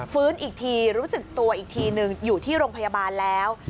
ฟื้นอีกทีรู้สึกตัวอีกทีหนึ่งอยู่ที่โรงพยาบาลแล้ว